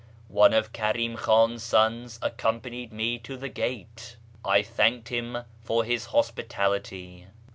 One of Karim Khan's sons accompanied me to the gate. I thanked him for his hospitality.